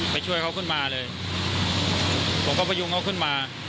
ช่วยเขาขึ้นมาเลยผมก็พยุงเขาขึ้นมา